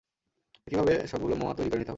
একইভাবে সবগুলো মোয়া তৈরি করে নিতে হবে।